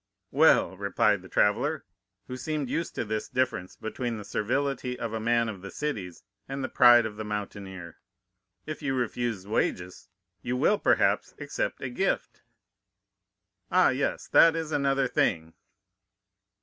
"'Well,' replied the traveller, who seemed used to this difference between the servility of a man of the cities and the pride of the mountaineer, 'if you refuse wages, you will, perhaps, accept a gift.' "'Ah, yes, that is another thing.